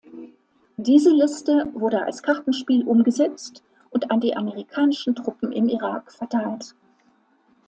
Diese Liste wurde als Kartenspiel umgesetzt und an die amerikanischen Truppen im Irak verteilt.